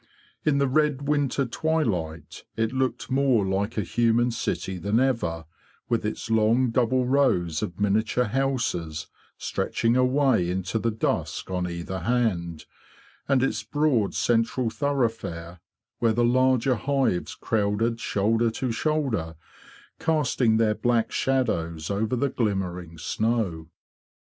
In the red winter twilight it looked more like a human city than ever, with its long double rows of miniature houses stretching away into the dusk on either hand, and its broad central thoroughfare, where the larger hives crowded shoulder to shoulder, casting their black shadows over the glimmering snow.